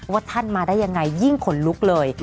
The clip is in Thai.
ท่านมาได้ยังไงยิ่งขนลุกเลย